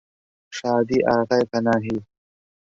شادی ئاغای پەناهی